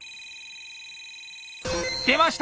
出ました